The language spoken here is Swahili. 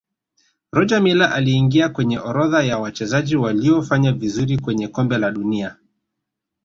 roger miller aliingia kwenye orodha ya Wachezaji waliofanya vizuri kwenye kombe la dunia